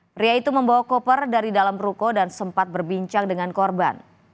pria itu membawa koper dari dalam ruko dan sempat berbincang dengan korban